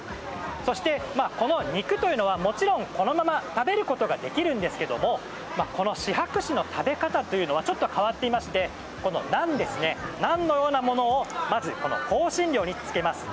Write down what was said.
そして、この肉というのはもちろん、このまま食べることができるんですけどもシハク市の食べ方というのはちょっと変わっていてナンのようなものをまず香辛料につけます。